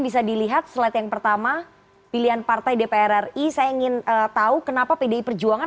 bisa dilihat slide yang pertama pilihan partai dpr ri saya ingin tahu kenapa pdi perjuangan